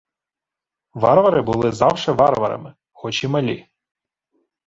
— Варвари були завше варварами, хоч і малі.